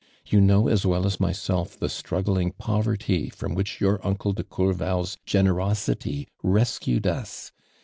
You know as well as myself the struggling pover ty from which your uncle iJe Courval's gene rosity rescued us?